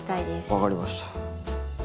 分かりました。